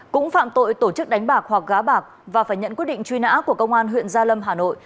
cũng phạm tội tổ chức đánh bạc hoặc gá bạc và phải nhận quyết định truy nã của công an huyện gia lâm hà nội